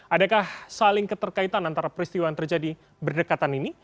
adakah saling keterkaitan antara peristiwa yang terjadi berdekatan ini